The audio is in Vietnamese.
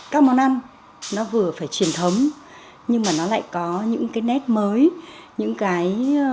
các món ăn nó vừa phải truyền thống nhưng mà nó lại có những cái nét mới